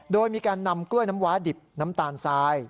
โดยมีการนำกล้วยน้ำว้าดิบน้ำตาลทราย